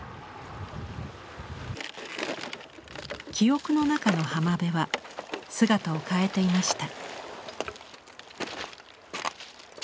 記憶の中の浜辺は姿を変えていました。